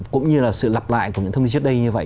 cũng như là sự lặp lại của những thông tin trước đây như vậy